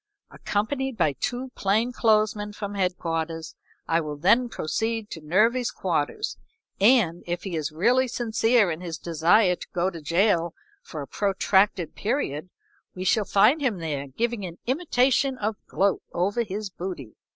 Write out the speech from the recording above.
Accompanied by two plain clothes men from headquarters I will then proceed to Nervy's quarters, and, if he is really sincere in his desire to go to jail for a protracted period, we shall find him there giving an imitation of a gloat over his booty."